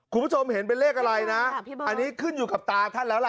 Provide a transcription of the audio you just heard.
คุณผู้ชมเห็นเป็นเลขอะไรนะอันนี้ขึ้นอยู่กับตาท่านแล้วล่ะ